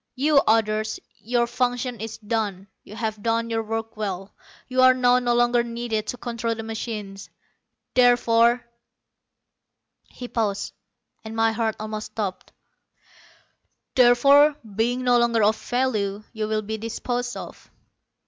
You others, your function is done. You have done your work well, you are now no longer needed to control the machines. Therefore," he paused, and my heart almost stopped "therefore, being no longer of value, you will be disposed of."